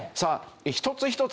一つ一つ